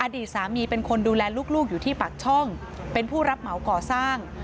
อดีตสามีเป็นคนดูแลลูกอยู่ที่ปากช่องเป็นผู้รับเหมาก่อสร้าง